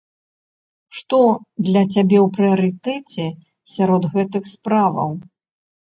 Што для цябе ў прыярытэце сярод гэтых справаў?